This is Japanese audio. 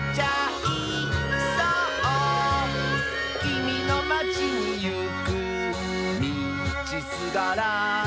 「きみのまちにいくみちすがら」